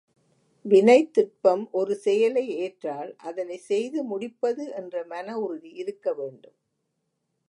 வினைத்திட்பம் ஒரு செயலை ஏற்றால் அதனைச் செய்து முடிப்பது என்ற மனஉறுதி இருக்க வேண்டும்.